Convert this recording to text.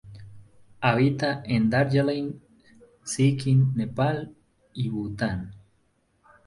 Habita en Darjeeling, Sikkim, Nepal y Bután.